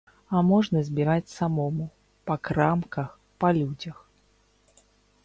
А можна збіраць самому, па крамках, па людзях.